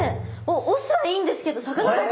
押忍はいいんですけどさかなクン